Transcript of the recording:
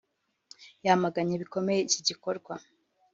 yamaganye bikomeye iki gikorwa